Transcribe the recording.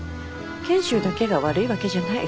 賢秀だけが悪いわけじゃない。